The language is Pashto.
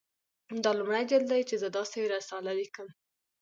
دا لومړی ځل دی چې زه داسې رساله لیکم